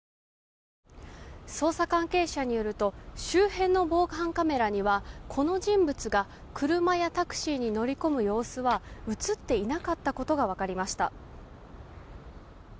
捜査関係者によると周辺の防犯カメラにはこの人物が車やタクシーに乗り込む様子は映っていなかったことが分かりました。